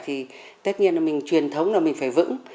thì tất nhiên là mình truyền thống là mình phải vững